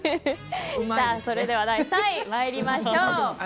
それでは第３位参りましょう。